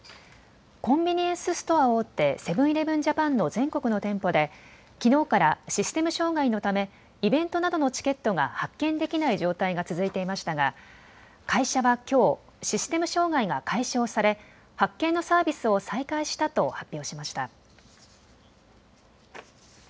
コンビニエンスストア大手、セブン‐イレブン・ジャパンの全国の店舗できのうからシステム障害のためイベントなどのチケットが発券できない状態が続いていましたが会社はきょう、システム障害が解消され発券のサービスを再開したと発表しました。